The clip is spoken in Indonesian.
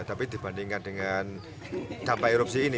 tapi dibandingkan dengan dampak erupsi ini